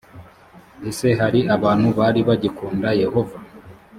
ese hari abantu bari bagikunda yehova ?